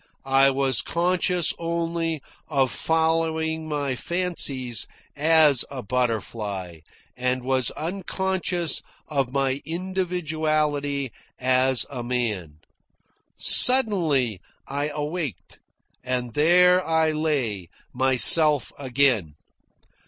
I was conscious only of following my fancies as a butterfly, and was unconscious of my individuality as a man. Suddenly, I awaked, and there I lay, myself again.